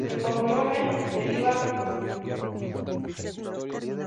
El "cognomen" deriva del monte Aventino, relacionado tradicionalmente con el movimiento plebeyo.